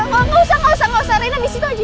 gak usah gak usah gak usah rena disitu aja